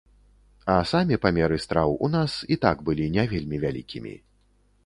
А самі памеры страў у нас і так былі не вельмі вялікімі.